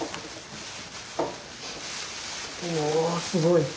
おすごい！